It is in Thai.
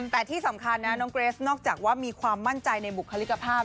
แต่ที่สำคัญนะน้องเกรสนอกจากว่ามีความมั่นใจในบุคลิกภาพ